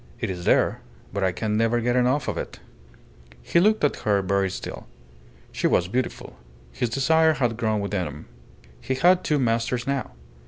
It is there, but I can never get enough of it." He looked at her very still. She was beautiful. His desire had grown within him. He had two masters now.